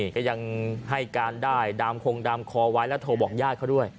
ก็ยังให้การได้ดามคงดามคอไว้แล้วโทรบอกญาติเขาด้วย